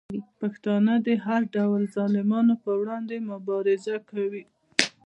پښتانه د هر ډول ظالمانو په وړاندې مبارزه کوي.